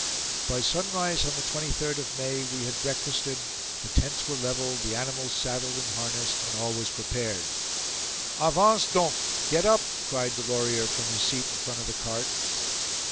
By sunrise on the 23d of May we had breakfasted; the tents were leveled, the animals saddled and harnessed, and all was prepared. "Avance donc! get up!" cried Delorier from his seat in front of the cart.